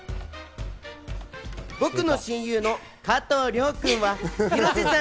僕の親友の加藤諒君は広瀬さん